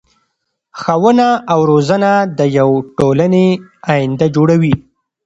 ښوونه او روزنه د يو ټولنی اينده جوړوي .